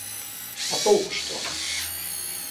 А толку что?